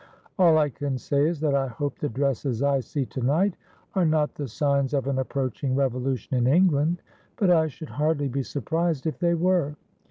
All I can say is, that I hope the dresses I see to night are not the signs of an approaching revolution in England ; but I should hardly be surprised if they were.